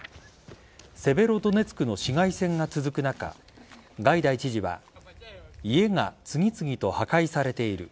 セベロドネツクの市街戦が続く中ガイダイ知事は家が次々と破壊されている。